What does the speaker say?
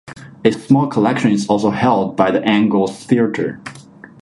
A small collection is also held by the Angles Theatre.